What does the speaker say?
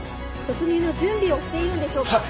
突入の準備をしているのでしょうか。